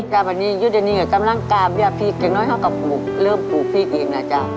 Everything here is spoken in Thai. จ้ะปันนี้อยู่เดี๋ยวนี้ก็จำล่างกราบอย่าพีกอย่างน้อยเข้ากับปลูกเริ่มปลูกพีกเองนะจ้ะ